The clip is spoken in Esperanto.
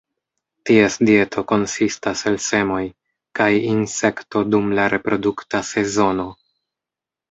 Ties dieto konsistas el semoj, kaj insekto dum la reprodukta sezono.